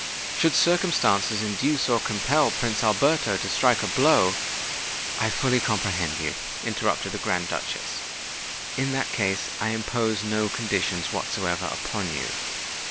"Should circumstances induce or compel Prince Alberto to strike a blow——" "I fully comprehend you," interrupted the Grand Duchess. "In that case, I impose no conditions whatsoever upon you.